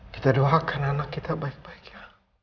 kita doakan anak kita baik baik